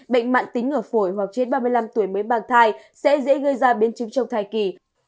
bệnh mạng tính ở phổi hoặc trên ba mươi năm tuổi mới mang thai sẽ dễ gây ra biến chứng trong thai kỳ